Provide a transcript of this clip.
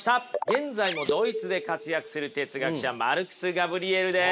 現在もドイツで活躍する哲学者マルクス・ガブリエルです。